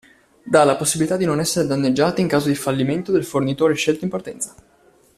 Dà la possibilità di non essere danneggiati in caso di fallimento del fornitore scelto in partenza.